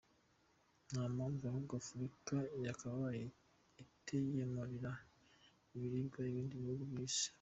Nta mpamvu ahubwo Afurika yakabaye itagemurira ibiribwa ibindi bihugu by’Isi.